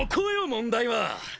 問題は。